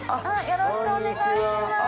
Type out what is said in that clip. よろしくお願いします。